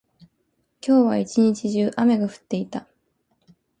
今日は一日中、雨が降っていた。